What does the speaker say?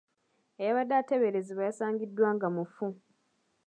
Eyabadde ateeberezebwa yasangiddwa nga mufu.